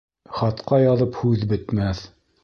Хатҡа яҙып һүҙ бөтмәҫ.